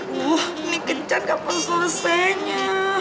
aduh ini kencan kapan selesainya